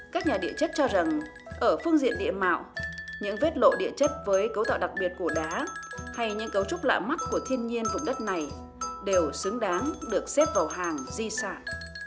các nhà địa chất cho rằng ở phương diện địa mạo những vết lộ địa chất với cấu tạo đặc biệt của đá hay những cấu trúc lạ mắt của thiên nhiên vùng đất này đều xứng đáng được xếp vào hàng di sản